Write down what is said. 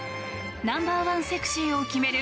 ナンバーワンセクシーを決める